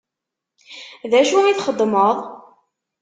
D acu i txeddmeḍ?